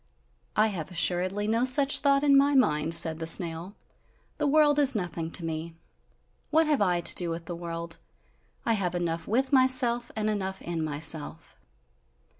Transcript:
"I have assuredly no such thought in my mind," said the snail, "the world is nothing to me! What have I to do with the world? I have enough with myself, and enough in myself!"